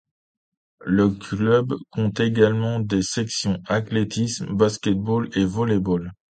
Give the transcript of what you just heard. Le club compte également des sections athlétisme, basket-ball et volley-ball.